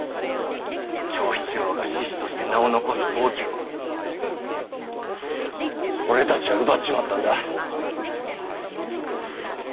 長七郎が志士として名を残す好機を俺たちは奪っちまったんだ。